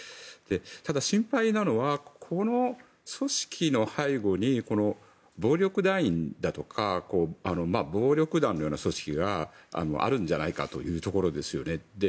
ただ、心配なのはこの組織の背後に暴力団員だとか暴力団のような組織があるんじゃないかというところですよね。